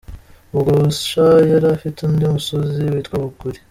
Ubwo Busha yari afite undi musozi witwa Buguli.